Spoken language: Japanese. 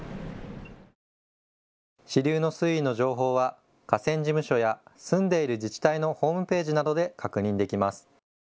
支流の水位の情報は河川事務所や住んでいる自治体のホームページなどで確認できます。